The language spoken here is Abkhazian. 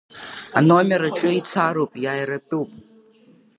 Аномер аҿы ицароуп, иааиратәуп.